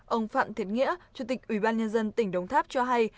ông phạm thiệt nghĩa chủ tịch ủy ban nhân dân tỉnh đồng tháp cho hay